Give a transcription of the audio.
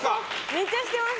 めっちゃしてます！